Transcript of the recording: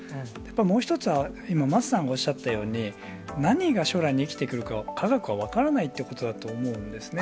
もう１つは桝さんが今、おっしゃったように、何が将来に生きてくるか、家族は分からないということだと思うんですね。